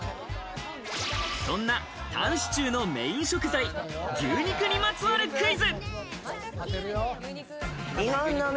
そんなタンシチューのメイン食材、牛肉にまつわるクイズ。